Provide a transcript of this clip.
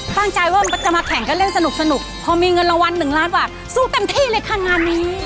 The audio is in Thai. ท่านจะว่ามึงจะมาเก่งกันเล่นสนุกพอมีเงินระวันหนึ่งล้านบาทสู้เต็มที่เลยค่ะงานนี้